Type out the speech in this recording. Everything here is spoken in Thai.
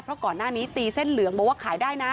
เพราะก่อนหน้านี้ตีเส้นเหลืองบอกว่าขายได้นะ